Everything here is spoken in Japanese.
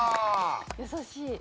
優しい。